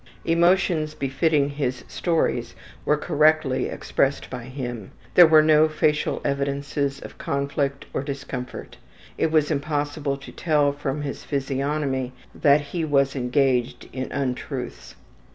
Emotions befitting his stories were correctly expressed by him; there were no facial evidences of conflict or discomfort. It was impossible to tell from his physiognomy that he was engaged in untruths.